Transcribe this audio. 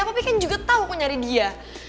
tapi kan juga tau aku nyari dia